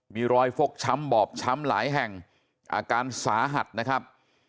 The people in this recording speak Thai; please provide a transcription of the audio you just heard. มีรอยฟกช้ำบอบช้ำหลายแห่งอาการสาหัสนะครับ